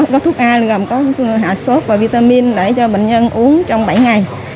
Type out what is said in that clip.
có thuốc a gồm có hạ sốt và vitamin để cho bệnh nhân uống trong bảy ngày